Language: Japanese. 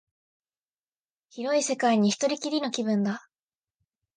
広い世界に一人きりの気分だ